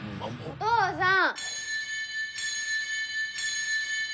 お父さん。